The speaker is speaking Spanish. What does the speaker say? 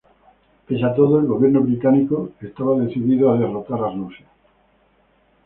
Pese a todo, el Gobierno británico estaba decidido a derrotar a Rusia.